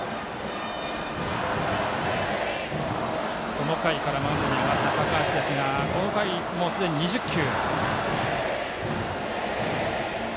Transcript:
この回からマウンドに上がった高橋ですがこの回、すでに２０球。